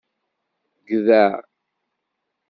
Gdeɛ.